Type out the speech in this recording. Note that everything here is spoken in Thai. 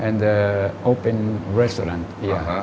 แล้วเปิดร้านที่นี่